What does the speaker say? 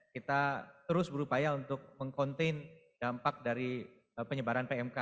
kita terus berupaya untuk meng contain dampak dari penyebaran pmk